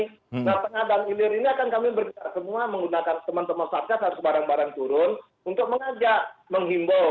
nah tengah dan ilir ini akan kami bergerak semua menggunakan teman teman satgas harus bareng bareng turun untuk mengajak menghimbau